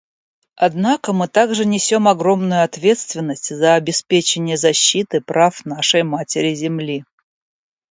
Однако мы также несем огромную ответственность за обеспечение защиты прав нашей Матери-Земли.